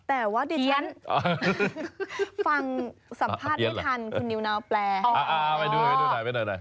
แต่ว่าดิฉันฟังสัมภาษณ์ไม่ทันคุณนิวนาวแปลไปดูหน่อย